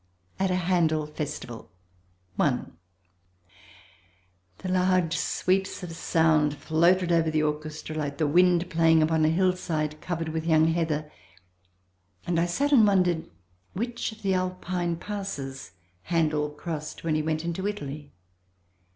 At a Handel Festival i The large sweeps of sound floated over the orchestra like the wind playing upon a hill side covered with young heather, and I sat and wondered which of the Alpine passes Handel crossed when he went into Italy.